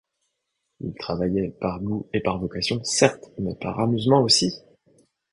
Il travaillait par goût et par vocation, certes, mais par amusement aussi.